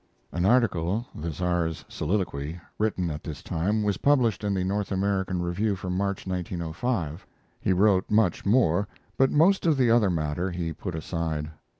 An article, "The Tsar's Soliloquy," written at this time, was published in the North American Review for March (1905). He wrote much more, but most of the other matter he put aside.